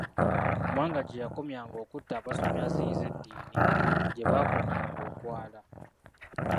Mwanga gye yakomyanga okutta abasomi aziyize eddiini, gye baakomyanga okwala.